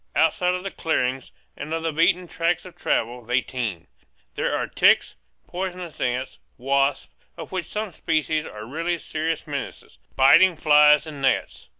Outside of the clearings, and of the beaten tracks of travel, they teem. There are ticks, poisonous ants, wasps of which some species are really serious menaces biting flies and gnats.